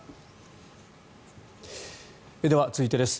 では、続いてです。